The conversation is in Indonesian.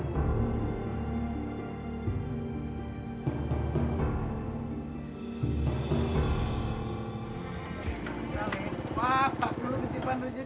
maaf pak perlu ketipan rezeki